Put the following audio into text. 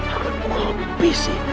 aku akan menghabisi